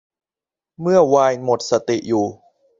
เมื่อไวน์หมดสติอยู่